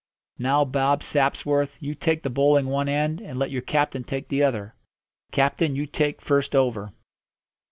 "Now, Bob Sapsworth, you take the bowling one end, and let your captain take the other. Captain, you take first over."